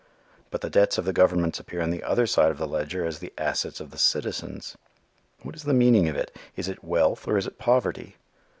But the debts of the governments appear on the other side of the ledger as the assets of the citizens. What is the meaning of it? Is it wealth or is it poverty?